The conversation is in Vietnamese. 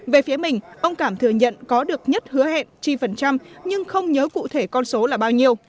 về phía mình ông cảm thừa nhận có được nhất hứa hẹn chi phần trăm nhưng không nhớ cụ thể con số là bao nhiêu